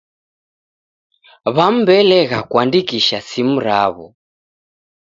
W'amu w'elegha kuandikisha simu raw'o.